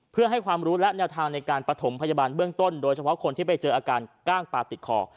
เพื่อให้ความรู้และแนวทางในการประถมพยาบาลเบื้องต้นโดยเฉพาะคนที่ไปเจออาการกล้างปลาติดคอ